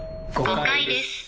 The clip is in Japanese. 誤解です。